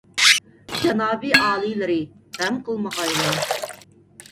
جانابىي ئالىيلىرى، غەم قىلمىغايلا.